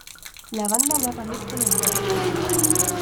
La banda no aparece en el video.